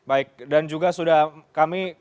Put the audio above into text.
baik dan juga sudah kami